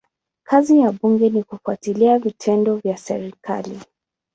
Kazi ya bunge ni kufuatilia vitendo vya serikali.